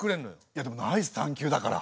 いやでもナイス探究だから。